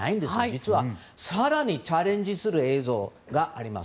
実は更にチャレンジする映像があります。